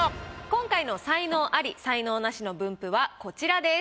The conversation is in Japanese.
今回の才能アリ才能ナシの分布はこちらです。